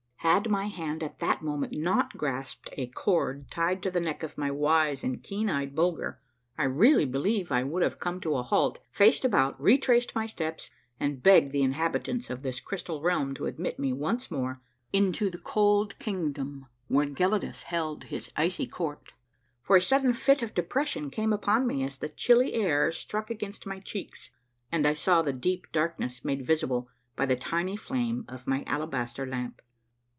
Had my hand at that moment not grasped a cord tied to the neck of my wise and keen eyed Bulger, I really believe 1 would have come to a halt, faced about, retraced my steps, and begged the inhabitants of this crystal realm to admit me once more into the cold kingdom where Gelidus held his icy court ; for a sudden fit of depression came upon me as the chilly air struck against my cheeks and I saw the deep darkness made visible by the tiny flame of my alabaster lamp.